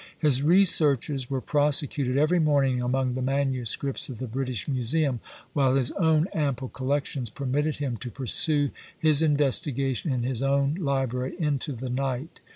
His researches were prosecuted every morning among the MSS. of the British Museum, while his own ample collections permitted him to pursue his investigation in his own library into the night.